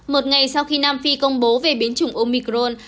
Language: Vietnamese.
một ngày sau khi nam phi công bố về biến chủng omicron